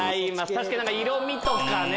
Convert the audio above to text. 確かに色味とかね。